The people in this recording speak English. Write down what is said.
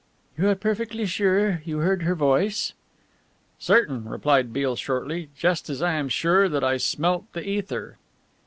"You are perfectly sure you heard her voice?" "Certain," replied Beale shortly, "just as I am sure that I smelt the ether."